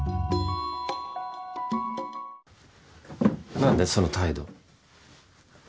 何だよ、その態度。